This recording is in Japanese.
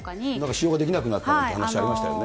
使用ができなくなったという話ありましたよね。